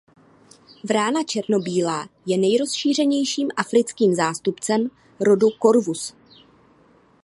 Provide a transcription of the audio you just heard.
Vrána černobílá je nejrozšířenějším africkým zástupcem rodu "Corvus".